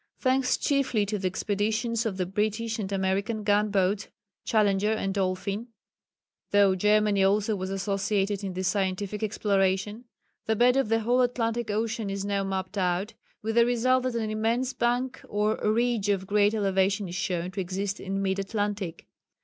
Thanks chiefly to the expeditions of the British and American gunboats, "Challenger" and "Dolphin" (though Germany also was associated in this scientific exploration) the bed of the whole Atlantic Ocean is now mapped out, with the result that an immense bank or ridge of great elevation is shewn to exist in mid Atlantic.